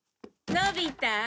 のび太。